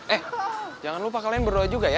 eh jangan lupa kalian berdua juga ya